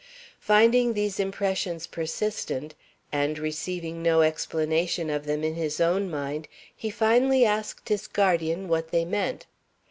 Finding these impressions persistent, and receiving no explanation of them in his own mind, he finally asked his guardian what they meant.